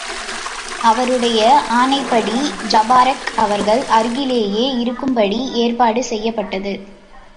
அவருடைய ஆணைப்படி, ஜபாரக் அவர் அருகிலேயே இருக்கும்படி ஏற்பாடு செய்யப்பட்டது.